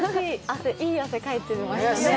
いい汗かいてましたよね。